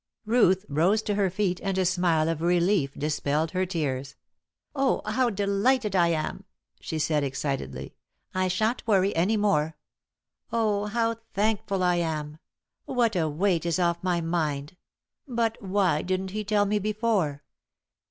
Ruth rose to her feet, and a smile of relief dispelled her tears. "Oh, how delighted I am!" she said, excitedly. "I shan't worry any more. Oh, how thankful I am! What a weight is off my mind! But why didn't he tell me before?"